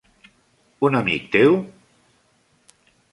Un amic teu?